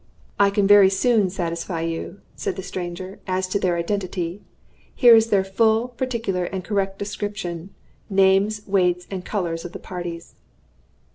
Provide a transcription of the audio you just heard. "I can very soon satisfy you," said the stranger, "as to their identity. Here is their full, particular, and correct description names, weights, and colors of the parties."